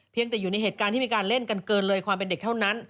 ยังแต่อยู่ในเหตุการณ์ที่มีการเล่นกันเกินเลยความเป็นเด็กเท่านั้น